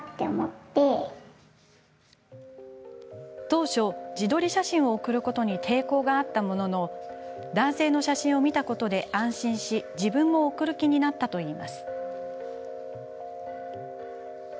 当初、自撮り写真を送ることに抵抗があったものの男性の写真を見たことで安心し自分も送る気になったといいます。